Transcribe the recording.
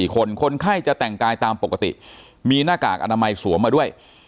คนคนไข้จะแต่งกายตามปกติมีหน้ากากอนามัยสวมมาด้วย